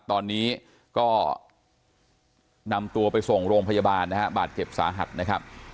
ตอนนี้ก็นำตัวไปส่งโรงพยาบาลนะฮะบาดเจ็บสาหัสนะครับ